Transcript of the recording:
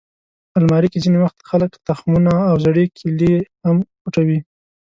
الماري کې ځینې وخت خلک تخمونه او زړې کیلې هم پټوي